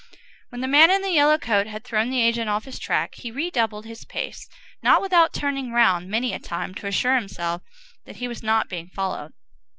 When the man in the yellow coat had thrown the agent off his track, he redoubled his pace, not without turning round many a time to assure himself that he was not being followed.